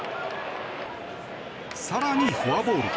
更に、フォアボール。